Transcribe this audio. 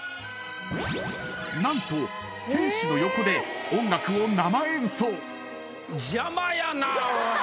［なんと選手の横で音楽を］